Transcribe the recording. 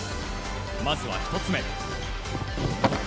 まずは１つ目。